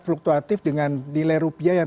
fluktuatif dengan nilai rupiah yang